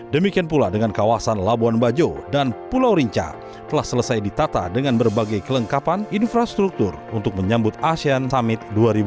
demikian pula dengan kawasan labuan bajo dan pulau rinca telah selesai ditata dengan berbagai kelengkapan infrastruktur untuk menyambut asean summit dua ribu dua puluh